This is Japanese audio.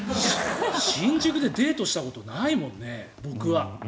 新宿でデートしたことないもんね、僕は。